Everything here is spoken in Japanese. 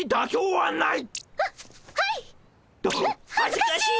はっ恥ずかしい！